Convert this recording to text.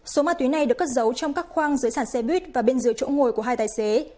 số ma túy này được cất giấu trong các khoang dưới sản xe buýt và bên dưới chỗ ngồi của hai tài xế